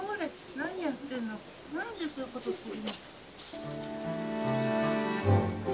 何でそういうことするの。